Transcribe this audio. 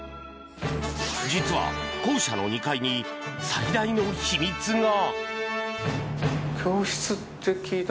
実は、校舎の２階に最大の秘密が。